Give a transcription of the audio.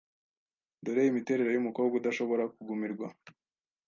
Dore imiterere y’umukobwa udashobora kugumirwa